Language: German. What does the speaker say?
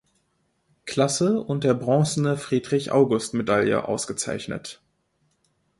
Klasse und der Bronzene Friedrich-August-Medaille ausgezeichnet.